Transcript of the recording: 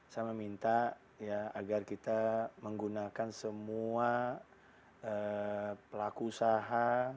saya meminta agar kita menggunakan semua pelaku usaha